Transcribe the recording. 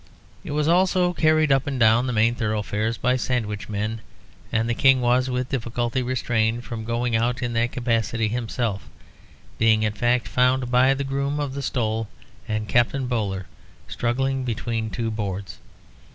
It was also carried up and down the main thoroughfares by sandwichmen, and the King was, with difficulty, restrained from going out in that capacity himself, being, in fact, found by the Groom of the Stole and Captain Bowler, struggling between two boards.